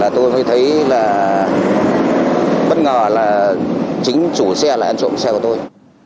tôi mới thấy là bất ngờ là chính chủ xe là anh trộm xe của tôi